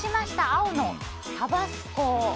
青のタバスコ。